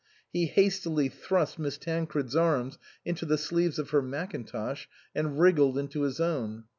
He hastily thrust Miss Tancred's arms into the sleeves of her mackintosh and wriggled into his own.